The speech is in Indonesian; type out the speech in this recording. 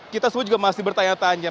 kita semua juga masih bertanya tanya